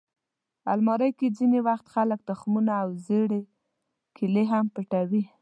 الماري کې ځینې وخت خلک تخمونه او زړې کیلې هم پټوي